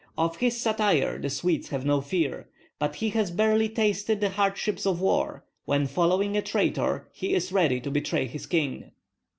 Of his satire the Swedes have no fear. But he has barely tasted the hardships of war When following a traitor he is ready to betray his king."